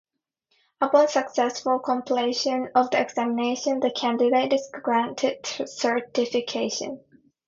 Upon successful completion of the examination, the candidate is granted certification.